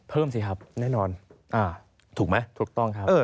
เพิ่มสิครับแน่นอนถูกไหมถูกต้องครับเออ